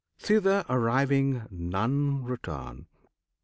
Thither arriving none return.